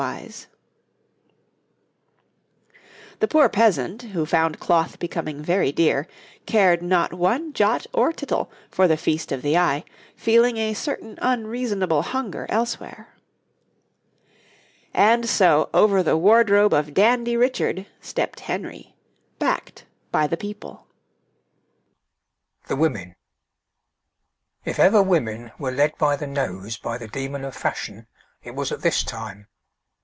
[Illustration: {Simpler clothing, hat and hood, and bags of peasants}] The poor peasant, who found cloth becoming very dear, cared not one jot or tittle for the feast of the eye, feeling a certain unreasonable hunger elsewhere. And so over the wardrobe of Dandy Richard stepped Henry, backed by the people. THE WOMEN If ever women were led by the nose by the demon of fashion it was at this time.